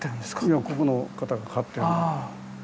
いやここの方が飼ってる。